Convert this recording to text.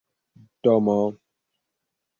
domo